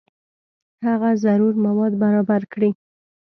هغه ضروري مواد برابر کړي.